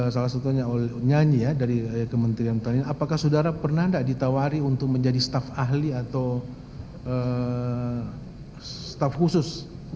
salah satunya nyanyi ya dari kementerian pertanian apakah saudara pernah tidak ditawari untuk menjadi staf ahli atau staf khusus